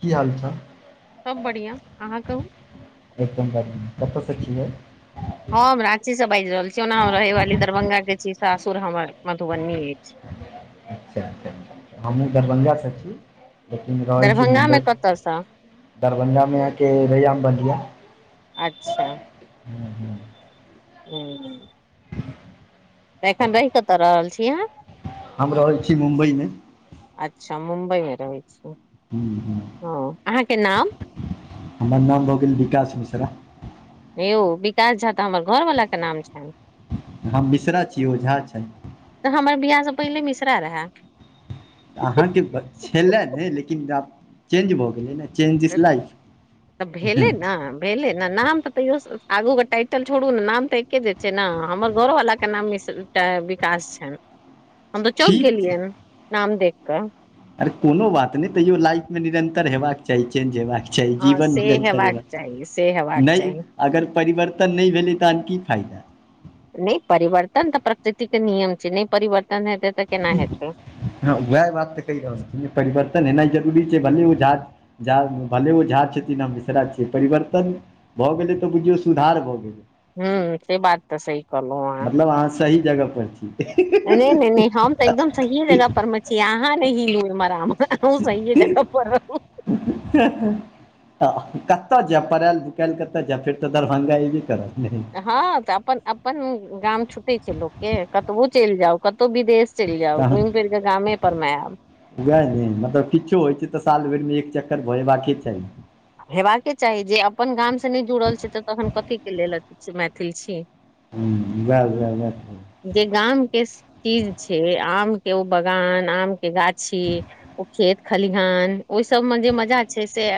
की हाल चाल सब बढ़िआ अहाँ कहूँ एकदम बढियाँ कतऽसँ छियै हम राँची स बाजि रहल छी ओना हम रहै वाली दरभंगा के छी सासुर हमर मधुबनी अछि अच्छा अच्छा हमहूँ दरभंगासँ छी लेकिन रहै छी दरभंगा मे मुम्बैइ कतयसँ दरभंगा मे आके रैयाम बधिया अच्छा हूँ तऽ एखन रहि कतऽ रहल छी अहाँ हम रहय छी मुम्बई मे अच्छा मुम्बइ मे रहै छी हूँ हूँ हँ अहाँके नाम हमर नाम भऽ गेल विकास मिश्रा हे यौ विकास झा तऽ हमर घरवला के नाम छनि हम मिश्रा छीय ओ झा छैत हमर बियाह स पहिले मिश्रा रहए अहाँके छेलए ने लेकिन आब चेंज भऽ गेलै ने चेंजिस लाइफ तऽ भेलै ने भेलै न नाम तऽ तैयो आगू के टाइटल छोड़ू न नाम तऽ एके जे छै न हमर घरोवाला के नाम मिश्र टए विकास छैन हम तऽ चौक ठीक गेलियनि नाम देख कऽ आरे कोनो बात नै तैयो लाइफ मे निरंतर हेबाक चाही चेंज हेबाक चाही छै हँ जीवन से निरंतर हेबाक चाही से हेबाक नै चाही अगर परिवर्तन नै भेलै तहन की फायदा नै परिवर्तन तऽ प्रकृतिके नियम छै नै परिवर्तन हेतै तऽ केना हेतै हँ उएह बात तऽ कहि रहल छी परिवर्तन एना जरूरी छै भले उ झा झा भले ओ झा छथिन हम मिसरा छियै परिवर्तन भऽ गेलै तऽ बुझियौ सुधार भऽ गेलै। हूँ से बात तऽ सही कहलौं आहाँ मतलब अहाँ सही जगह पर छी नै नै नै हम तऽ एकदम सही जगह पर मे छी आहाँ नै हिलु इमहर आमहर [unintelligible] सहीये जगह पर रहू [inaudible] कतय जायब पड़ायल भुखायल कतय जायब फेर तऽ दरभंगा य ई बे करब ने। हँ तऽ अपन गाम छुटे छैय लोकके कतौ चलि जाउ कतहु विदेश। चलि जाउ घुमि फिर कऽ गामे पर मेआएब। वएह ने मतलब किछो होइ छैय तऽ साल भरिमे एक चक्कर भऽय जबाक चाहि। हेबाके चाही जे अपन गाम से नहि जुड़ल छि तऽ तखन कथीके लेल मैथिल अछि। ह वेह-वेह -वेह जे गामके चीज छैय आम के ओ बगान आम के गाछी ओ खेत खलिहान ओहि सबमे जे मजा छैय से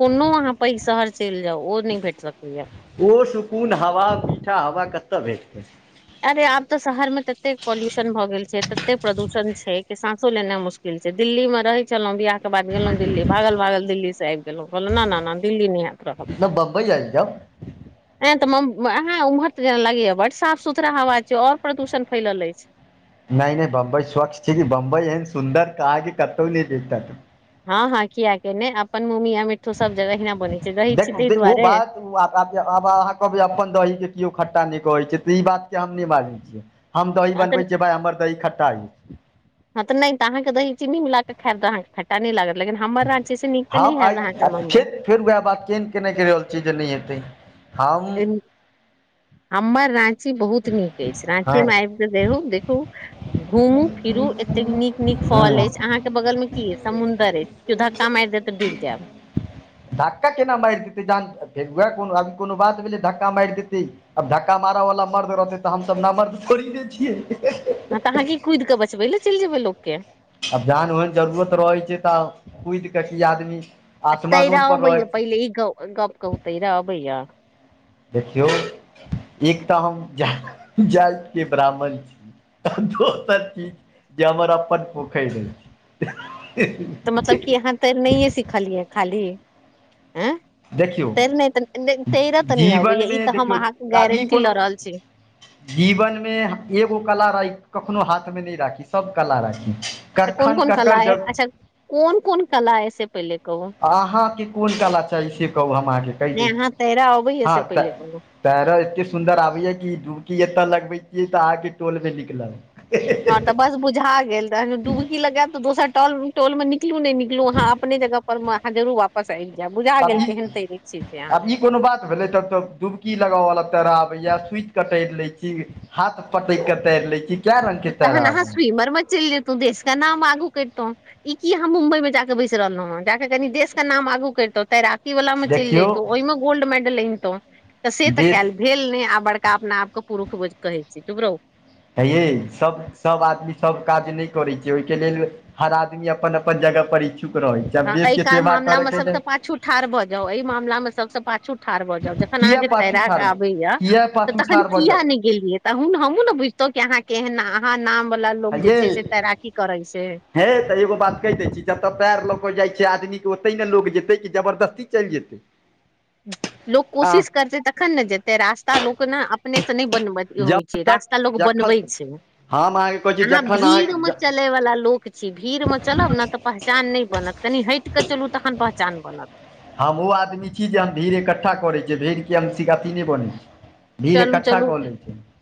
कोनो अहाँ पैघ शहर चलि जाउ ओ नहि भेट सकैए। ओ सुकून हवा मीठा हवा कतय भेटत अरे आब तऽ शहर में ततेक पॉल्यूशन भऽ गेल छैय तते प्रदूषण छैय कि सााँसो लेनाइ मुशकिल दिल्ली मे रहै छलहुँ बियाह बाद गेलहुँ दिल्ली भागल भागल दिल्ली से आबि गेलहुँ कहलहुँ नहि नहि दिल्लीमे नहि आब रहब। वहि आयबजाउ। ए तऽआहा उमहर से अलियै बर साफ सुथरा हवा छय और प्रदूषण फैलल अछि। नहि नहि बम्बई स्वच्छ छैय कि बम्बई एहन सुन्दर अहाके कतहु नहि भेटत। हँ हँ किया के ने अपन मुंह मीया मिट्ठू सब जग एहिना देखु ओ बात ओ वापस आब अहाँ कहबै अपन दहीे केओ खट्टा नहि कहै छैय तऽ ई बात के हम नहि बाजै छि हम दही आ तऽ बनबै छियै भाइ हमर दही खट्टा छै ह त नहि त अहाँ के दही में चीनी मिलाक खाएब त आहाँ के खट्टा नहीं नहि लागत लेकिन हमर रांची से नीक तऽ हम नहि आइ होएत अहाँके मुम्बई। फेर फेर वएह बात चेन्नज केने कहि रहल छी जे नहि हेतै। हम हमर राची बहुत नीक छैय हँ राँची में आबेयक देखू देखू घूमू फिरू एतेक नीक नीक फॉल हँ अछि अहाँ के बगल मे की अछि। समुंदर अछि कयौ धका मारि देत तऽ डूईब जायब। धक्का केना मारि देतै जान फेर उएह को अभी कोनो बात भेलै धक्का मारि देतै। आब धक्का मारऽ वालला मर्द रहतै तऽ हम सब नमर्द थोड़ी न छियै। ँ तऽ कि कुईद कऽ छैल जैबै बचबै लेल लोकके। आब जान ओहन जरूरत रहै छैय तऽ कुईद कऽ की आदमी आ तैर आसमानो पर रहै आबेय छै पहिले इ कह गप कहूं तैर आबेय। देखियौ एक तऽ हम जाति के ब्राह्मण छी दोसर चीज जे हमर अपन पोखै अछि तऽ मतलब कि अहाँ तैरनइए सिखलियै खाली आय। देखियौ तैयब तऽ नहि अबैया ई जीवनमे तऽ देखियौ हम अहाँके आब ई गारंटी कोनो लऽ रहल छी। जीवनमे एगो कला नहीं राखी सब कखी सब कला राखी। तऽ कोन कखन ककर जरूर कोन कलाअछि से पहिने कहु अहाँके कोन कला चाही से कहू हम अहाँके कहि दै नहि छी अहाँ तैरऽ अबैया से हँ तै पहिले कहू तैर एते सुन्दर आबैया कि डुबकी एतय लगबे छियै तऽ अहके टोल भे निकलत। हँ हां-हां-हां तऽ बस बुझा गेल डुबकी लगाब तऽ दोसर टल टोल मे निकलु नहीं अहा अपने जगह पर जरुर वापस पसलि जाय बुझा आब गेल ई केहन तैरे छियै से आब अहाँ ई कोनो बात भेले तब तऽ डुबकी लगाब वाला तैर आबे या स्वच कटर ले छी हाथ पटैक क तैर लाइ छी कए रंग के तऽ तैरऽ तहन अहाँ आबैया स्विमर मे चल जेतौ देश का नाम आगु करतौ इ की अह मुम्बई मे जााके बैस रहलो हें जाकऽ कनि देश के नाम आगू करितौ तैर वला मे चइल देखियौ जतहुौ ओहि में गोल्ड मेडल अनतौं तऽ से तऽ देश केल भेल नय आ बड़का अपना आप के पुरुख कहै छी चुप रहु हैये सभ सभ आदमी सभ काज नय करैत छै ओहिके लेल हर आदमी अपन अपन जगह पर ई [inaudible] हँ ऐ काम मामला मे सबस पाछू ठाढ़ भऽ जाउ एहि मामला मे सबसँ पाछू ठाढ़ भऽ जाउ जखन अहाँ किया के पाछू तैराक ठाढ़ आबेया किया त पाछू तखन ठाढ़ भऽ किया जायब नइ गेलियै तन हमू ने बुझतौ क अहाँ केहन अहाँ नाम वाला लोकोग है जे यै छै से तैराकी करै छै हे तऽ एगो बात कहि दय छी जतय पैर लऽ के जाइ छ छै आदमी के ओते ने लोग जेतै कि जबरदस्ती चइल जेतै [inaudible] लोक कोशिश आ करतै तखन ने जेतै रास्ता लोक ने अपने से न बनबत होइ छै जब तक रास्ता लोग जखन बनबै छै हम अहाँके कहै छी अहाँ जखन भीड़ मे चल अहाँ चलय वला लोक छी भीड़ मे चलब ने तऽ पहचान नइ बनत कनि हट कऽ चलू तखन पहचान बनत हम ओ आदमी छी जे हम भीड़ इकठ्ठा करै छियै भीड़के हमशिक अथी नइ बनैत छै चलू चलू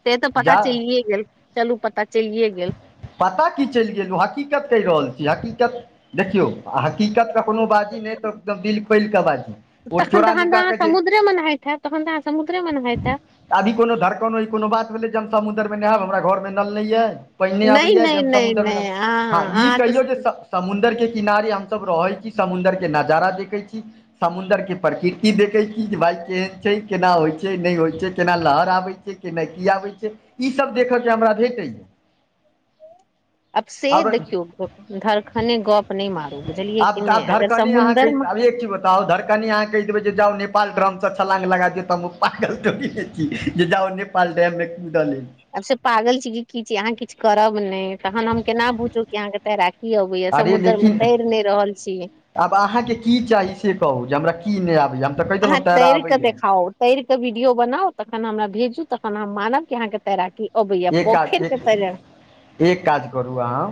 से तऽ पता जा चलिए गेल चलू पता चेलिए गेल पता की चइल गेलहुँ हकीकत कहि रहल छी हकीकत देखियौ हकीकतके कोनो बाजी नय तऽ एकदम दिल खोइल कऽ बाजी ओ तख तख चोरा तऽ नुका अहाँ के जे समुद्रे म नहाय होइत हब तखन त अहाँ समुद्रे म न होइत हैब अभी कोनो धड़कनो ई कोनो बात भेलै जे हम समुद्रमे नहायब हमरा घरमे नल नय यइ पइन ने नहि आबैया नहि ज नहि समुद्र मे नहि हँ अहाँ ई अहाँ तऽ कहियौ जे समुंद्र के किनारे हम सब रहे छी समुद्र के नजारा देखे छी समुद्र के प्रकृति देखै छी जे भाय केहन छै केना होइ छै नइ होइ छै केना लहर आबै छै केना की आबै छै ईसभ देखयके हमरा भेटैए अब से देखियौ धरखने गप नय मारु आब आब धड़कने अहाँ कह आब एक चीज बताओ छड़कने अहाँ केह देबै जाउ नेपाल्र डरम स छलांग लगा दिओ तऽ हम उ पागल थोड़ी न छी पाल डैममे कूद लेल आब से पागल छी कि कि अहाँ किछु करब नय तखन हम केना बुझू कि अहाँके तैरााकी अबैया अरे समुद्र मे लेकिन तैर नय रहल छी आब अहाँके की चाही से कहू जे हमरा की नइ आबैए हम तऽ कहि आहाँ देलहुँ तैरय तैरी क आबैए देखाउ तैर के वीडियो बनाउ तखन हमरा भेजू तखन हम मानब क अहाँ के तैराकी अबैया एक पोखरि काज के एक तैर एक काज करू अहाँ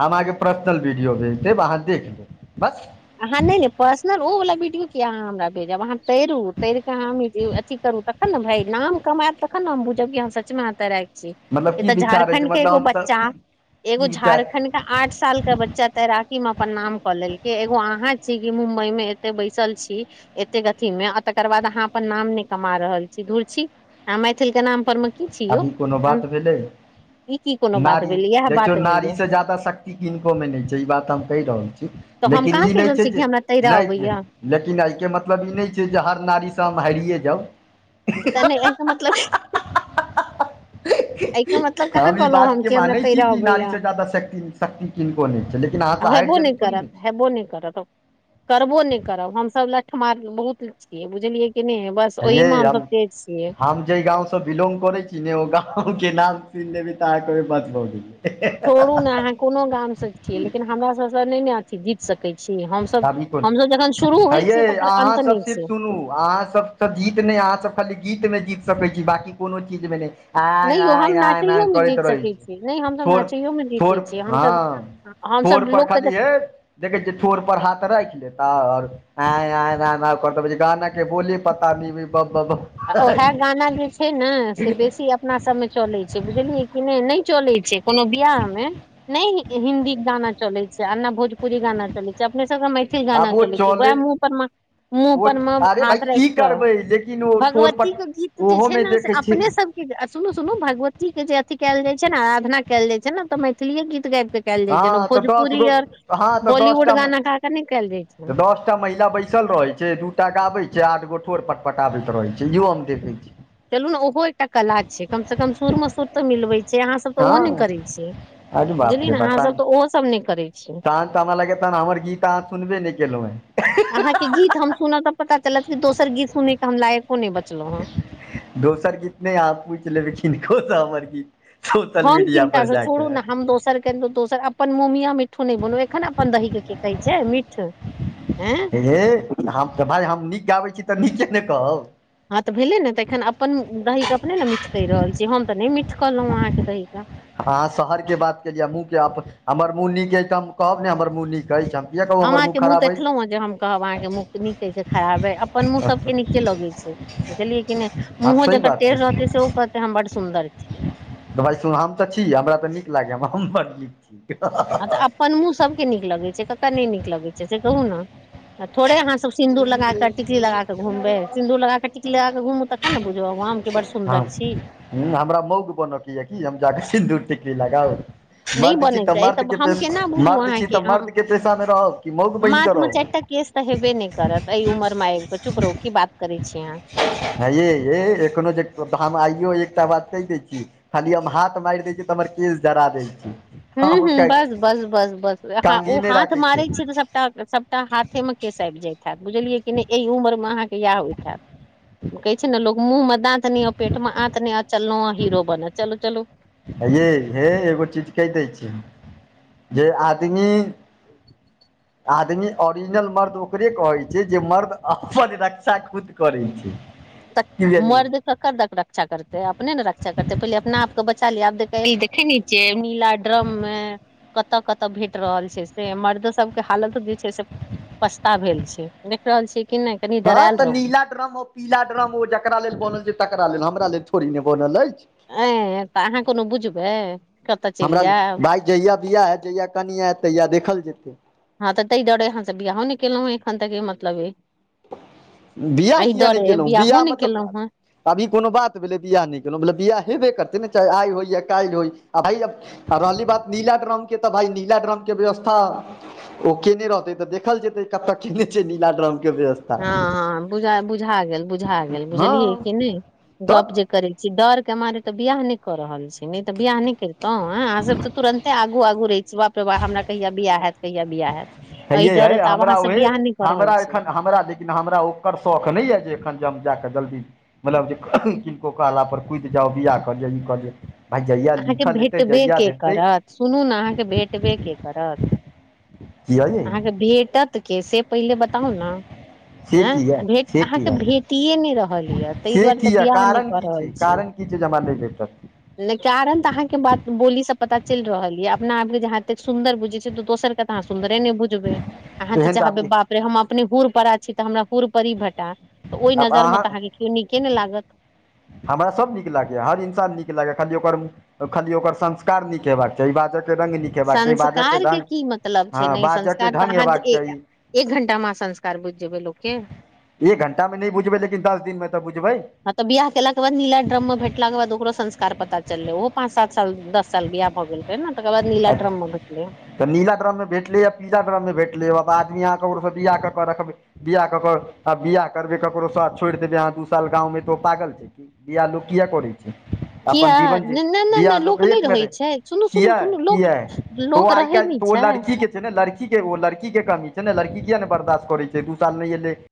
हम अहाँके पर्सनल वीडियो भेज देब अहाँ देख लेब बस अहाँ नय नय पर्सनल ओ वला वीडियो क अहाँ हमरा भेजब अहाँ तैरू तैरकेऽ हमी जे अथी करू तखन ने भाय नाम कमायत त खन न हम बुझब कि अहाँ सच तैयराक छी मतलब ए की तऽ विचार अछि झारखण्ड के मतलब एगो हमसभ बच्चा की एगो की विचार झारखण्ड आठ साल के बच्चा तैराकी मे अपन नाम कऽ लेलकै ए अहाँ छी कि मुम्बई में एते बैसल छी एतेक अथी मे आ तकर बाद अहाँ अपन नाम नैय कमा रहल छी धूुर छी आहा मैथिल के नाम पर मे। की छी आब यौ उ कोनो तहन बात भेलै। ई की कोनो बात नारी भेलेई देखियौ नारीसँ ज्यादा शक्ति किनकोमे नहि छै ई बात हम कहि रहल छी तऽ हम लेकिन। कहाँ ई कहि नैय रहल छैय छी कि जैय हमरा तैरऽ नै अबैया [inaudible] लेकिन एहिके मतलब ई नहि छैय जैय हर नारीसँ हम हैरिए जाउ। [inaudible] एस मतलब [inaudible] एहिके मतलब [unintelligible] कहाँ हम ई कहलहुँ बातके कि हमरा मानै छी तैरऽ कि अबैया नारीसँ जादा शक्ति शक्ति। किनको नहि छै लेकिन आ अहाँसँ हारि हेबो नहि जब थोड़े नैय करत छैय। हेबो नहि करत करबो नैच करब हमसभ लठ मार बहुत छियै बुझलियै कि नहि बस हे ओहिमे यै हमसभ। हम [unintelligible] हम जेहि गाँव से बिलौंग करै छिई ने ओ गाँव के नाम सुनि लेबै तऽ अहाँ कहबै बस भऽ गेलै। छोरू ने अहाँ कोनो गाम से छीयै लेकिन हमरा सबस नहि ने अथी जीत सकै। कहै छी हमसभ- आब ई कोन हमलोगजखन शुरू होइ छियै हयै तकर अहाँ अन्त सब नैय सिर्फ सुनू छैया। अहाँ सब। त जीत नैय अहाँ सब खाली गीत मे जीत सकै छी बाँकी कोनो चीज मे नैय। नहि यौ हम आंय-आंय-आंय नाचैयो मे करैत जीत रहै सकै छैय छी नहि हमसभ छोर नाचैयो मे छोर जीते छियै हमसभ हँ। ठोर हमसभ पर लोकके खाली जे हे देखै छियै ठोर पर हाथ खाइख लेताउ और। आंय-आंय न-न करतौ गाना के बोली पता न भ ब ब आ उएह गाना जे छैय ने से बेसी। अपना सबमे चलै छैय बुझलियै कि नै, नैह चलै छैय कोनो बियाह मे नैय। हिंन्दी गाना चलै छैय आ ना भोजपुरी गाना चलै छैय अपने सभ मैथिल। गाना आब ओ चलै छैय ब मुँ परमं मुँह ओ परमं अरे भाय हाथ रैख की क करबै लेकिन ओ ठोर भगवती पर के गीत जैय ओहो छैय मे न से देखै छी अपने सब। आ सुनु-सुनू भगवत्ती के जे अथी कैल जाय छैय न आराधना कैल जाय छैय ने तऽ मैथिलीयै गीत गैब के। कैल जाय हँ छैय नओ तऽ दस भोजपुरी गो हँ तऽ बॉलीवुड गाना गा क नहि कैल जाय छैय। एकटा महिला बैसल रहे छैय दू टा गाबे छैयआठ गो ठोर पट-पटाबैत रहे छैप इहो हम देखै छी। चलू न ओहो एकटा कला छैयकम स कम सुर मे सुर तऽ मिलबै। से अहाँसभ तऽ ओहो नहि हँ करै छियै अरे बाप बुझलियै रे ने बाप तहन अहाँसभ तऽ ओहोसभ नहि करै छिय। तऽ तहन हमरा लागैया तहन हमर गीत अहाँ सुनबे नैय केलऊ। हैं। अहाँ के गीत हम सुनब तऽ पता चलत कि दोसर गीत सुनै के हम लायको ने बचब। दोसर गीत नैय आहाँ पूछि ले लखीन खुद हमर गीत। सोशल हम मीडिया पर कीनकासँ छोड़ू जाकऽ ने हम दोसर के दोसर अपन मुँह मियां मिट्ठू। मिट्ठु नहि बनु एखन अपन दहीके कहै छैय मीठ है। हे हम तऽ भााय हम नीक गाबै छी तऽ नीके नैय कहब। हँ तऽ भेले ने तऽ एखन अपन दही के अपने नैय मिठ कहि रहल छी हम तऽ नैय मिठ कहलहुं अहाँके दही के। अहाँ शहर के बात केलियै मुँह के अप हमर मुँह नीक अछि तऽ हम कहब ने हमर मुँह नीक अइछ हम। किया कहू हम हमर अहाँके मुँह खराब अछि देखलहुँ है जे हम कहब अहाँके मुँह नीक अइ की खराब अपन मुँह सबके नीके लगै छैय। बुझलियै कि नैय हँ मुँहो सही जकर बात टेढ़ रहतै से ओ कहतै हम बड सुन्दर छि। भाई सब हम तऽ छी हमरा तऽ नीक लागय हम हम बड़ नीक छी। हँ तऽ अपन मुँह सबके नीक लगै छैय ककर नैय नीक लगै छै से कहू न। आ थोड़े अहाँ सब सिन्दूर लगा क टिकली लगा क घुमबै सिन्दूर लगााक टिकली लगा घुमू तऽ। ह ने बुझबऊ हम की बड्‌डसुन्दर छी। ह हमरा मौग बन के यए कि जे हम जाकऽ सिन्दूर टिकली लगाउ। नहि मर्द छी तऽ बनैके अइ मर्द के प हम केना बुझू मर्द छी तऽ अहाँके हम मर्द के पेशामे रहब की मौग बैन माथ क मे चारि रहब टा केस तऽ हेबे नैह करत एहि उमर मे आबि कऽ चुप रहु की बात करै छी अहाँ ह ये-ये एखनो जे हम आइयो एकटा बात कैह दै छी खाली हम हाथ मैर दै छी तऽ हमर केश झरा दै छी हुॅं हम हुॅं बस-बस-बस-बस अहाँ ओ काँघी नहि हाथ राखै छै मारै छी तऽ सबटा-सबटा हाथे में केस आबि जाइत हैत बुझलियै कि नै एहि उमर मे अहाँके इएह होइत हैत कहै छै ने लोक मुँह म दाँत नै पेट में आंत नैया चललौं हं हीरो बन चलू-चलू हेयै हे एगो चीज कैह दै छी जे आदमी [inaudible] आदमी ओरिजिनल मर्द ओकरे कहैत छै जे मर्द अपन रक्षा खुद करै छै। तऽ बुझलियै मर्द ककर तक रक्षा कर त अपने ने रक्षा करतै पहिले अपना आपके बचा लिया आब देख देखे न छियै नीला ड्रम मे कतऽ -कतऽ भेट रहल छै से मर्दो सबके हालत जे छै से पछता भेल छै देख रहल छीयै की नै हँ तऽ नीला ड्रम अ पीला ड्रम ओ जकरा लेल बनल छै तकरा लेल हमरा लेल थोड़ी ने बनल अछि ए तऽ अहाँ कुनु बुझबै कत चैल जेएब जहियआ बिआाह हेएत जहियआ कनिया ऐत तहिया देखल जेतै। हँ तऽ ताहि दुआरे यहाँ से बियाहो नै केलहुँ हं एखन तक मलब बिआाह किए नै केलहुँ बियाहो बिआाह नहि मतलब केलहुँ हें आब कुनो बात भेलै बियाह नै केलहुँ मतलब बियाह हेबे करतै ने चाहे आइ होय या काल्हि होय आ भाइब आ रहली बात नीला ड्रम के तऽ भाय नीला ड्रम के व्यवस्था। ओ केने रहतै तऽ देखल जेतै कतऽ केने छै नीलाड्रम के व्यवस्था। हँ हँ बुझ बुझा गेल बुझा गेल हँ बुझलियै कि नै गप तब जे करै। डर के मारे तऽ बियाह नै क रहल छी ने तऽ बियह ने कैरतौ ह अहा सब तऽ तुरन्ते आगू आगू रहे। सुबह प्रवाह हमरा कहिआ बिआाह हेएत कहिया बिआाह हेएत। ह यै है हमरा उहे रहल हमरा छी एखन हमरा दे लेकिन हमरा ओकर शौख नै यऽ जे एखन जे हम जाकऽ जल्दी मतलब जे किनको कहलापर कुइद जाउ बियाह कलीय जे ई कलिअ। अहाँके भेटबे के करत सुनू ने अहाँके भेटबे के कर करत किया यै अहाँके भेटत के से पहिले बताउ न से हँ किया भेट से अहाँके किया भेटिए नै रहल यए तै से दुआरे तऽ किया बियाह नै कारण कऽ की छै रहल छी। कारण की छै जे हमरा नै देखत नहि कारण तऽ अहाँ के बात बोली से पता चैल रहल ये अपना आप के जहा एतेक सुंन्दर बुझे छै त दोसर त तह सुन्दरे न बुझबै अहाँ तऽ एहन आब चाहबै बाप रे हम अपने। हुड़ पड़ा छी तऽ हमरा हर परी भेटा त ओय आब नजर में तऽ अहाँ अहाँके कियो नीके नै लागत। हमरा सभ नीक लागैए हर इन्सान नीक लागैए खाली ओकर। खाली ओकर संस्कार नीक हेबाक चाही बाजय के रंग नीक हेबाक चाही बाजऽके संस्कार के ढङ्ग की मतलब छै हँ ने बाजऽके संस्कार ढङ्ग तऽ हेबाक अहाँ चाही [unintelligible] एक घंटा म संस्कार बुइझ जेबै लोक के। एक घण्टामे नै बुझबै लेकिन दस दिनमे तऽ बुझबै हँ तऽ बियाह केलाक के ब नीला ड्रम मे भेटलाक बादकरो संस्कार पता। चलले ओहो पाँच सात साल दस साल बियाह भऽ गेल रहे ने तकर बाद नीला ड्रम में भेटले तऽ नीला ड्रममे भेटलै या पीला ड्रममे भेटलै आब आदमी अहाँके ककरो‌‌ स बिआह कऽ कऽ रखबै- बिआ कऽ कऽ आ बआाह करबै ककरो सरथ छोइड़ देबै अहाँ दू साल गाँवमे तऽ ओ पागल छै बियाह लोक किए कर अपन किया जीवन जे नहि नहि बिआाह नहि लोक नहि एकमे रहै छै सुनू सुनू सुनू किए लोक है तो लोक आइ रहै काल् नहि तो छै लड़की कितना ने लड़की के लड़की के कमी छै ने लड़की किया नय बर्दाश्त करै छै दू साल नय एलै